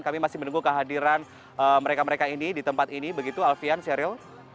kami masih menunggu kehadiran mereka mereka ini di tempat ini begitu alfian sheryl